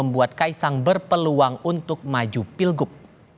berpeluang untuk maju pilgub